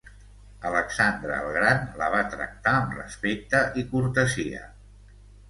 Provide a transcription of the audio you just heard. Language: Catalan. Alexandre el Gran la va tractar amb respecte i cortesia.